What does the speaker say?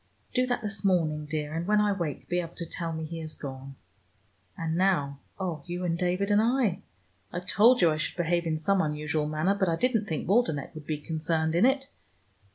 Do that this morning, dear, and when I wake be able to tell me he has gone. And now, oh, you and David and I! I told you I should behave in some unusual manner, but I didn't think Waldenech would be concerned in it.